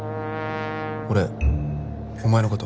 俺お前のこと。